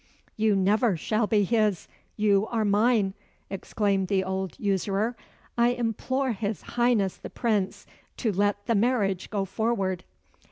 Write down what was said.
"You never shall be his you are mine " exclaimed the old usurer "I implore his Highness the Prince to let the marriage go forward."